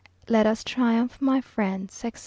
Let us triumph, my friends, etc.